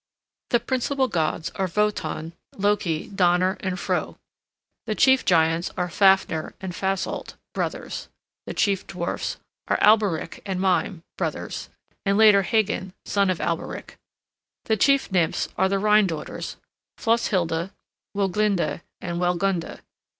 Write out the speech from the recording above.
The principal gods are Wotan, Loki, Donner, and Froh. The chief giants are Fafner and Fasolt, brothers. The chief dwarfs are Alberich and Mime, brothers, and later Hagan, son of Alberich. The chief nymphs are the Rhine daughters, Flosshilda, Woglinda, and Wellgunda.